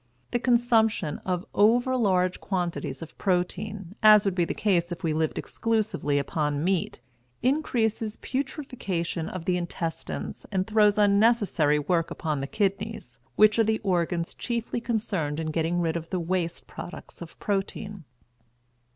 The consumption of over large quantities of protein, as would be the case if we lived exclusively upon meat, increases putrefaction in the intestines and throws unnecessary work upon the kidneys, which are the organs chiefly concerned in getting rid of the waste products of protein.